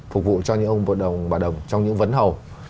phục vụ cho những ông vợ đồng bà đồng trong những vấn hầu